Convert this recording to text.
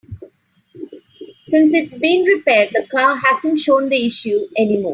Since it's been repaired, the car hasn't shown the issue any more.